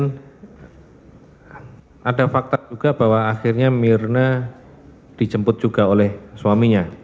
ada fakta juga bahwa akhirnya mirna dijemput juga oleh suaminya